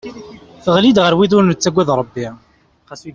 Teɣli-d ɣer wid ur nettagad Rebbi.